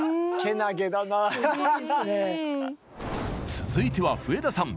続いては笛田さん。